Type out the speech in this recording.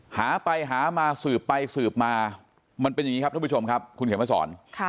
หาไปหามาสืบไปสืบมามันเป็นอย่างนี้ครับทุกผู้ชมครับคุณเขียนมาสอน